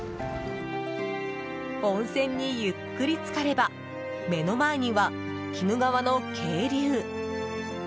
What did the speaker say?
温泉にゆっくり浸かれば目の前には鬼怒川の渓流。